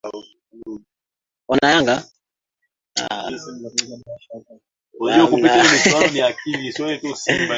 kujitawala katika siasa ya ndani Jamhuri za shirikisho ishirini na mbili ambazo